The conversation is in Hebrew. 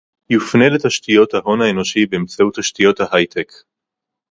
יופנה לתשתיות ההון האנושי באמצעות תשתיות ההיי-טק